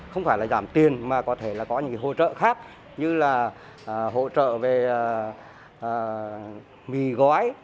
không phải là giảm tiền mà có thể là có những hỗ trợ khác như là hỗ trợ về mì gói